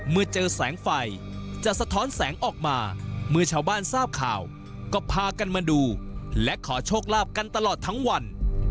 เมื่อเจอแสงไฟจะสะท้อนแสงออกมาเมื่อชาวบ้านทราบข่าวก็พากันมาดูและขอโชคลาภกันตลอดทั้งวัน